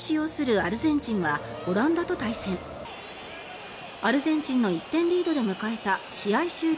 アルゼンチンの１点リードで迎えた試合終了